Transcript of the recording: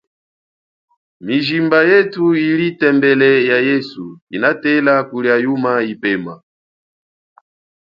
Mijimba yethu ili tembele ya yesu inatela kulia yuma ipema.